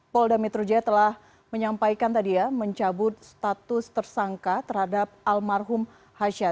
polda metro jaya telah menyampaikan tadi ya mencabut status tersangka terhadap almarhum hasyad